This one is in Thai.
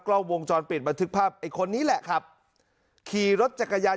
กล้องวงจรปิดบันทึกภาพไอ้คนนี้แหละครับขี่รถจักรยาน